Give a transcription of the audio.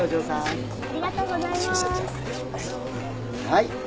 はい。